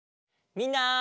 みんな。